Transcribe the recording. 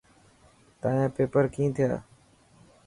تايان پيپر ڪين ٿيا؟